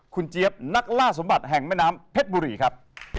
คุณเจี๊ยบนักล่าสมบัติแห่งแม่น้ำเพชรบุรีครับ